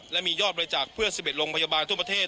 และมียอดบริจาชเพื่อน๑๑รมทหยบาลทุกประเทศ